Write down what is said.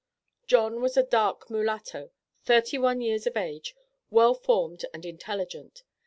John was a dark mulatto, thirty one years of age, well formed and intelligent.